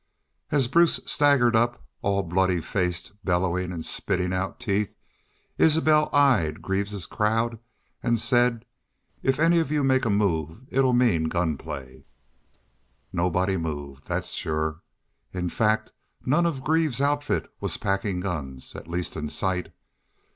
As Bruce staggered up, all bloody faced, bellowin' an' spittin' out teeth Isbel eyed Greaves's crowd an' said: 'If any of y'u make a move it 'll mean gun play.' Nobody moved, thet's sure. In fact, none of Greaves's outfit was packin' guns, at least in sight.